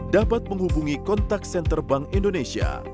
dapat menghubungi kontak senter bank indonesia